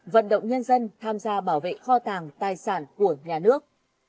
vận động nhân dân tham gia bảo vệ kho tàng tài sản của nhà nước